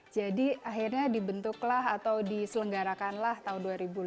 jadi akhirnya dibentuklah atau diselenggarakanlah tahun dua ribu lima belas